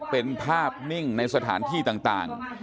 เป็นภาพนิ่งในสถานที่ต่าง